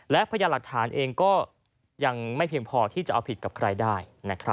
และพยานหลักฐานเองก็ยังไม่เพียงพอที่จะเอาผิดกับใครได้